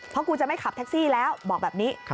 เพราะกูจะไม่ขับแท็กซี่แล้วบอกแบบนี้